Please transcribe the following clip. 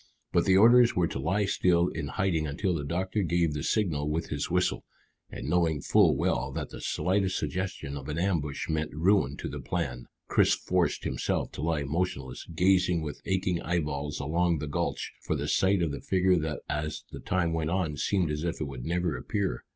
But the orders were to lie still in hiding until the doctor gave the signal with his whistle, and knowing full well that the slightest suggestion of an ambush meant ruin to the plan, Chris forced himself to lie motionless, gazing with aching eyeballs along the gulch for the sight of the figure that as the time went on seemed as if it would never appear.